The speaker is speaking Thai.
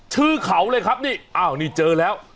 ชื่อเขาเลยครับนี่อ้าวนี่เจอแล้ว